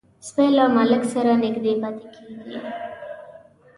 سپي له مالک سره نږدې پاتې کېږي.